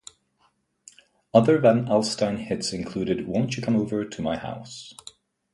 Other Van Alstyne hits included Won't You Come Over to My House?